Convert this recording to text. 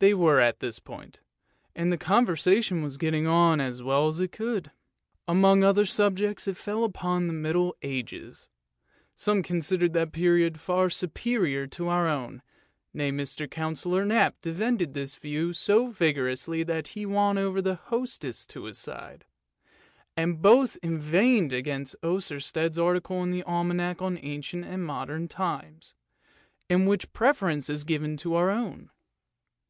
They were at this point, and the conversation was getting on as well as it could. Among other subjects, it fell upon the Middle Ages ; some considered that period far superior to our own, nay, Mr. Councillor Knap defended this view so vigorously that he won over the hostess to his side, and both inveighed against Oersted's article in the Almanack on Ancient and Modern Times, in which the preference is given to our own.